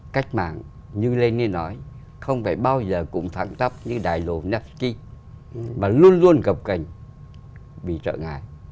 cách mạng như lê ninh nói không phải bao giờ cũng thẳng tắp như đài lộn nắp kinh mà luôn luôn gặp cảnh bị trợ ngại